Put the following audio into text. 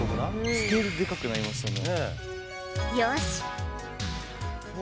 スケールでかくなりましたね。